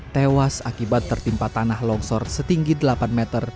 tewas akibat tertimpa tanah longsor setinggi delapan meter